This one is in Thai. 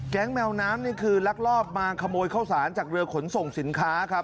แมวน้ำนี่คือลักลอบมาขโมยข้าวสารจากเรือขนส่งสินค้าครับ